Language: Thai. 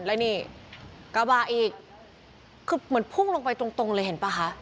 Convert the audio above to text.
แล้วนี่กระบะอีกคือเหมือนพุ่งลงไปตรงตรงเลยเห็นป่ะคะ